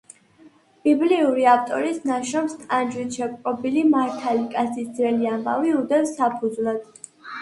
ბიბლიური ავტორის ნაშრომს ტანჯვით შეპყრობილი მართალი კაცის ძველი ამბავი უდევს საფუძვლად.